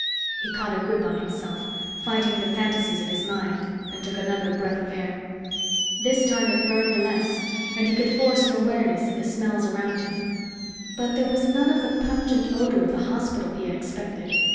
He caught a grip on himself, fighting the fantasies of his mind, and took another breath of air. This time it burned less, and he could force an awareness of the smells around him. But there was none of the pungent odor of the hospital he had expected.